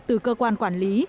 từ cơ quan quản lý